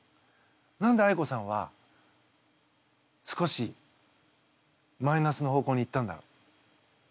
何であいこさんは少しマイナスの方向に行ったんだろう？